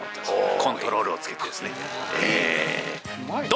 コントロールをつけてですね。